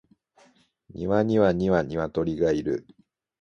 庭には二羽鶏がいる